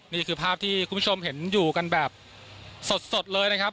นี่คือภาพที่คุณผู้ชมเห็นอยู่กันแบบสดเลยนะครับ